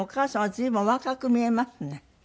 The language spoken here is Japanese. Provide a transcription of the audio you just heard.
随分お若く見えますね。